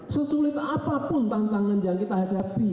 sesulit apapun tantangan yang kita hadapi